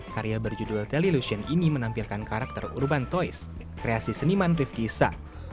karya berjudul telly lution ini menampilkan karakter urban toys kreasi seniman rifki isa